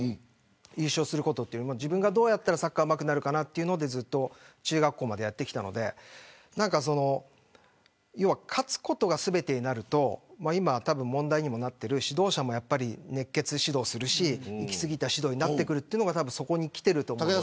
優勝することより自分がどうしたらうまくなるかなっていうことでずっと中学校までやってきたので勝つことが全てになると今、問題になってる指導者も熱血指導するしいき過ぎた指導になるというのがそこにくると思います。